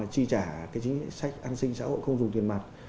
chi trả chính sách an sinh xã hội không dùng tiền mặt